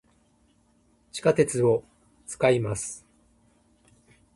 地下鉄を、使います。